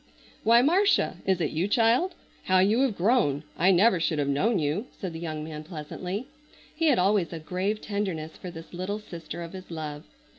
"Why! Marcia, is it you, child? How you have grown! I never should have known you!" said the young man pleasantly. He had always a grave tenderness for this little sister of his love.